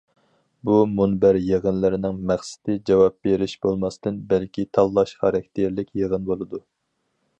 بۇ مۇنبەر يىغىنلىرىنىڭ مەقسىتى جاۋاب بېرىش بولماستىن بەلكى تاللاش خاراكتېرلىك يىغىن بولىدۇ.